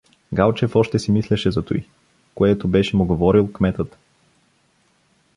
Галчев още си мислеше за туй, което беше му говорил кметът.